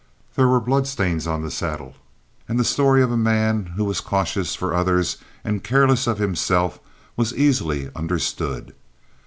There were blood stains on the saddle, and the story of a man who was cautious for others and careless of himself was easily understood.